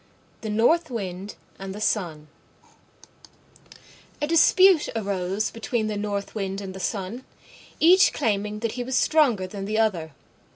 THE NORTH WIND AND THE SUN A dispute arose between the North Wind and the Sun, each claiming that he was stronger than the other.